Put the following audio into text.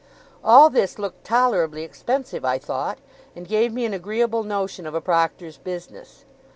All this looked tolerably expensive, I thought, and gave me an agreeable notion of a proctor's business.